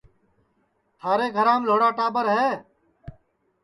تھارے گھرام لھوڑا ٹاٻر ہے